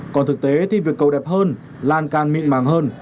còn thực tế thì việc cầu đẹp hơn lan càng mịn màng hơn